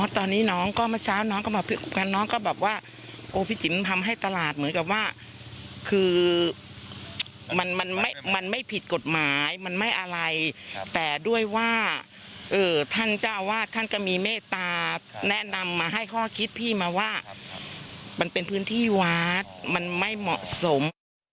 ทำให้ตลาดเหมือนกับว่าคือมันไม่ผิดกฎหมายมันไม่อะไรแต่ด้วยว่าท่านเจ้าอาวาสท่านก็มีเมตตาแนะนำมาให้ข้อคิดพี่มาว่ามันเป็นพื้นที่วาดมันไม่เหมาะสม